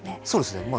そうですね。